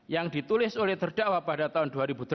yang ditulis oleh terdakwa pada tahun dua ribu delapan